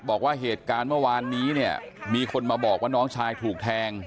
บอกว่าเหตุการณ์เมื่อวานนี้เนี่ยมีคนมาบอกว่าน้องชายถูกแทง